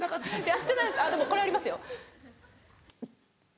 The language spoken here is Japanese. やってないですあっでもこれありますよ。